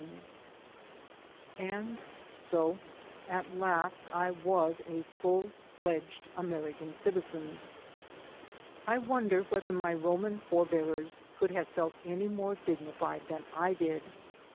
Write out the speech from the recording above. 200 THE SOUL OF AN IMMIGRANT And so at last I was a full fledged American citi zen. I wonder whether my Roman forbears could have felt any more dignified than I did.